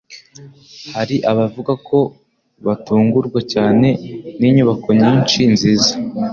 Hari abavuga ko batungurwa cyane n'inyubako nyinshi nziza